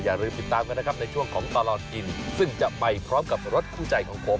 อย่าลืมติดตามกันนะครับในช่วงของตลอดกินซึ่งจะไปพร้อมกับรถคู่ใจของผม